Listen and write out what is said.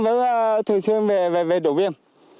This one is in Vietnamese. công an vẫn thường xuyên về đổ viêm